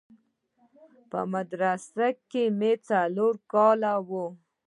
په مدرسه کښې مې څلورم کال و.